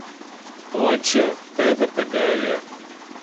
Ончо, теве тыгае.